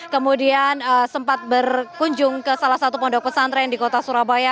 kemudian sempat berkunjung ke salah satu pondok pesantren di kota surabaya